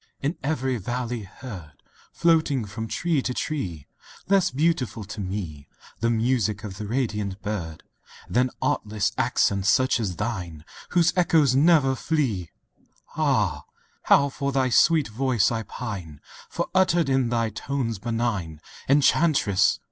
V In every valley heard, Floating from tree to tree, Less beautiful to, me, The music of the radiant bird, Than artless accents such as thine Whose echoes never flee! Ah! how for thy sweet voice I pine:— For uttered in thy tones benign (Enchantress!)